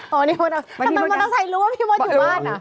ทำไมมอเตอร์ไซค์รู้ว่าพี่มดอยู่บ้านอ่ะ